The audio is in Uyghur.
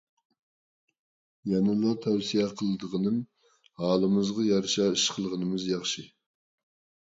يەنىلا تەۋسىيە قىلىدىغىنىم، ھالىمىزغا يارىشا ئىش قىلغىنىمىز ياخشى.